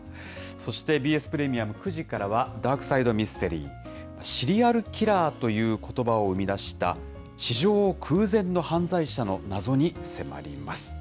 そしてＢＳプレミアム９時からはダークサイドミステリー、シリアルキラーということばを生み出した、史上空前の犯罪者の謎に迫ります。